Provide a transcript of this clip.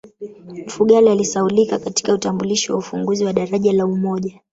mfugale alisahaulika katika utambulisho wa ufunguzi wa daraja la umoja